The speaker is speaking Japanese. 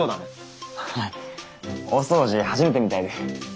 はい大掃除初めてみたいで。